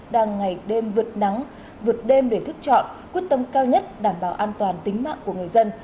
đang ngày đêm vượt nắng vượt đêm để thức chọn quyết tâm cao nhất đảm bảo an toàn tính mạng của người dân